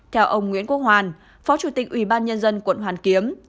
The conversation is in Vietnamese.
theo ông nguyễn quốc hoàn phó chủ tịch ubnd quận hoàn kiếm